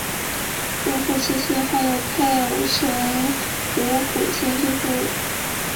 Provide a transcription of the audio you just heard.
吴府千岁还有配偶神吴府千岁夫人。